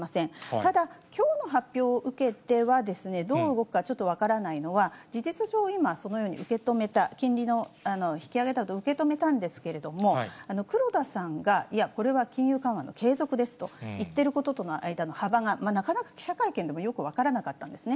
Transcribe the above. ただ、きょうの発表を受けてはですね、どう動くかちょっと分からないのは、事実上、今、そのように受け止めた、金利の引き上げだと受け止めたんですけれども、黒田さんが、いや、これは金融緩和の継続ですと言っていることとの幅がなかなか記者会見でもよく分からなかったんですね。